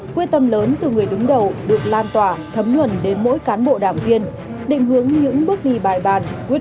quyết tâm lớn từ người đứng đầu được lan tỏa thấm nhuận